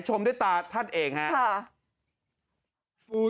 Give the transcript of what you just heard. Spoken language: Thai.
ชมด้วยตาท่านเองครับ